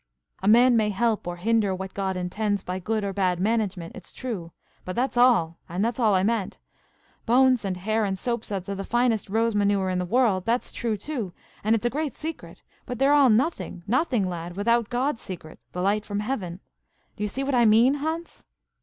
"A man may help or hinder what God intends, by good or bad management, it's true; but that's all, and that's all I meant. Bones, and hair, and soap suds are the finest rose manure in the world, that's true too, and it's a great secret; but they're all nothing–nothing, lad!–without God's secret–the light from heaven. Do you see what I mean, Hans?"